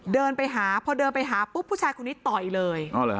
เดินไปหาพอเดินไปหาปุ๊บผู้ชายคนนี้ต่อยเลย